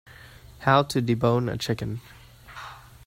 How to debone a chicken.